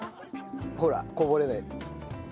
ほらこぼれない。